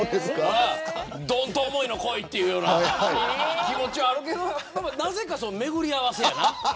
どんと重いのこいっていう気持ちはあるけどなぜか、巡り合わせやな。